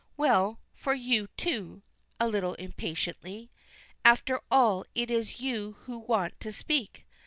"Well, for you too," a little impatiently. "After all, it is you who want to speak.